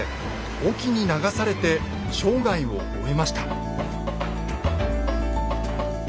隠岐に流されて生涯を終えました。